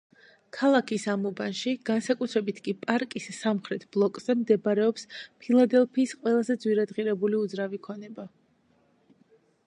ქალაქის ამ უბანში, განსაკუთრებით კი პარკის სამხრეთ ბლოკზე მდებარეობს ფილადელფიის ყველაზე ძვირადღირებული უძრავი ქონება.